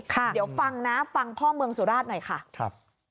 เดี๋ยวฟังนะฟังพ่อเมืองสุราชหน่อยค่ะครับ